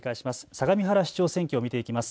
相模原市長選挙を見ていきます。